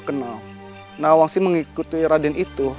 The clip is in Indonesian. kalau begitu kami pamit